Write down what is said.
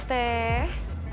nanti kita dihubungi